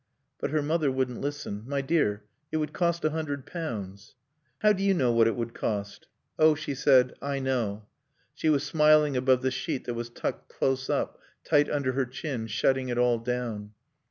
But her mother wouldn't listen. "My dear, it would cost a hundred pounds." "How do you know what it would cost?" "Oh," she said, "I know." She was smiling above the sheet that was tucked close up, tight under her chin, shutting it all down.